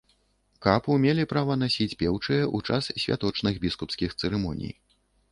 Капу мелі права насіць пеўчыя ў час святочных біскупскіх цырымоній.